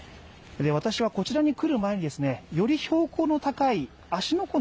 私はこちらに来る前に、より標高の高い芦ノ